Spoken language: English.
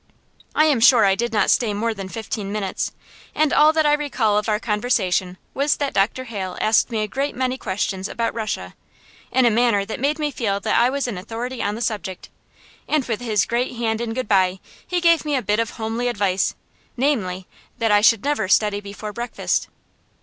I am sure I did not stay more than fifteen minutes, and all that I recall of our conversation was that Dr. Hale asked me a great many questions about Russia, in a manner that made me feel that I was an authority on the subject; and with his great hand in good bye he gave me a bit of homely advice, namely, that I should never study before breakfast!